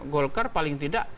golkar paling tidak